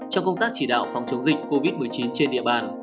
trong công tác chỉ đạo phòng chống dịch covid một mươi chín trên địa bàn